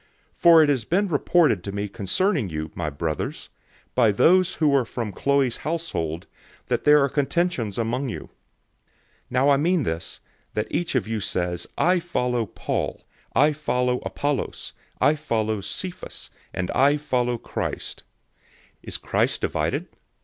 001:011 For it has been reported to me concerning you, my brothers, by those who are from Chloe's household, that there are contentions among you. 001:012 Now I mean this, that each one of you says, "I follow Paul," "I follow Apollos," "I follow Cephas," and, "I follow Christ." 001:013 Is Christ divided?